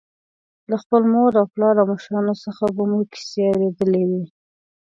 له خپل مور او پلار او مشرانو څخه به مو کیسې اورېدلې وي.